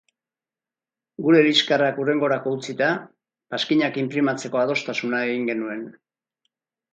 Gure liskarrak hurrengorako utzita, paskinak inprimatzeko adostasuna egin genuen.